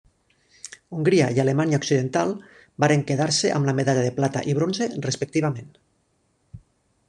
Hongria i Alemanya Occidental varen quedar-se amb la medalla de plata i bronze, respectivament.